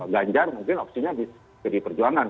ganjar mungkin opsinya di pd perjuangan